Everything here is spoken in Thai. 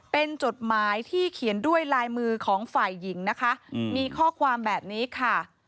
เป็นจดหมายที่เขียนด้วยลายมือของฝ่ายหญิงนะคะมีข้อความแบบนี้ค่ะ